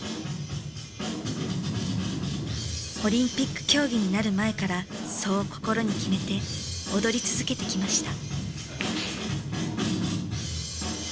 オリンピック競技になる前からそう心に決めて踊り続けてきました。